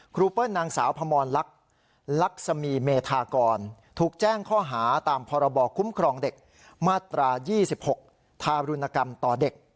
เปิ้ลนางสาวพมลักษมีเมธากรถูกแจ้งข้อหาตามพรบคุ้มครองเด็กมาตรา๒๖ทารุณกรรมต่อเด็ก